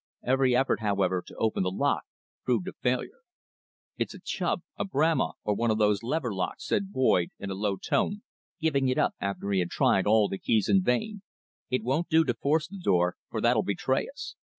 Every effort, however, to open the lock proved a failure. "It's a Chubb, a Bramah, or one of those lever locks," said Boyd, in a low tone, giving it up after he had tried all the keys in vain. "It won't do to force the door, for that'll betray us."